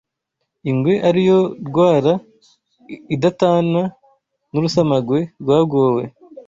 ingwe ari yo rwara idatana n’urusamagwe rwagowe